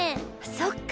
そっか！